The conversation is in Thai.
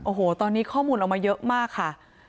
โอ้โหตอนนี้ข้อมูลออกมาเยอะมากค่ะ